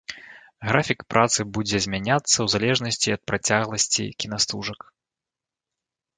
Графік працы будзе змяняцца ў залежнасці ад працягласці кінастужак.